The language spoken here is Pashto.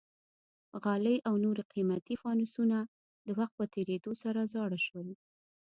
غالۍ او نور قیمتي فانوسونه د وخت په تېرېدو سره زاړه شول.